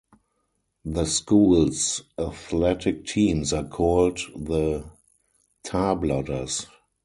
The school's athletic teams are called the Tarblooders.